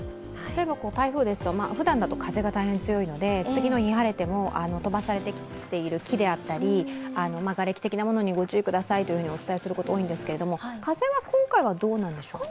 でも台風ですとふだんですと風が大変強いので次の日晴れても飛ばされてきている木であったりがれき的なものにご注意くださいとお伝えすることが多いんですが、風についてはどうでしょう？